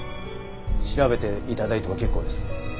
調べて頂いても結構です。